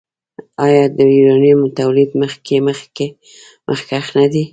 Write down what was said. آیا د یورانیم تولید کې مخکښ نه دی؟